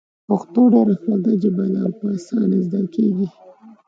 پښتو ډېره خوږه ژبه ده او په اسانه زده کېږي.